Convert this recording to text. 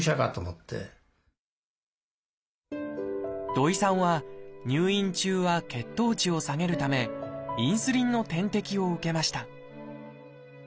土井さんは入院中は血糖値を下げるためインスリンの点滴を受けました